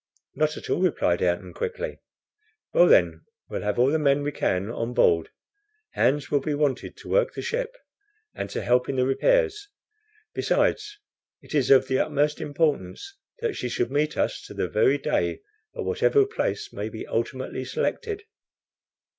"Not at all," replied Ayrton, quickly. "Well then, we'll have all the men we can on board. Hands will be wanted to work the ship, and to help in the repairs. Besides, it is of the utmost importance that she should meet us to the very day, at whatever place may be ultimately selected.